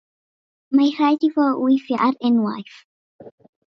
Mae'n rhaid iddo weithio ar unwaith.